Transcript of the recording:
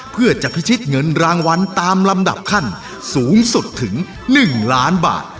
เพื่อจะพิชิตเงินรางวัลตามลำดับขั้นสูงสุดถึง๑ล้านบาท